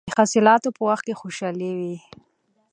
د حاصلاتو په وخت کې خوشحالي وي.